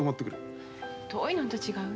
遠いのんと違う？